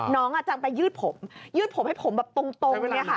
น้องจังไปยืดผมยืดผมให้ผมตรงนี่ค่ะ